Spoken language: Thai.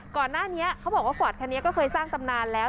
ก่อนหน้านี้เขาบอกว่าฟอร์ตคันนี้ก็เคยสร้างตำนานแล้ว